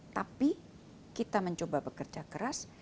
tapi kita mencoba bekerja keras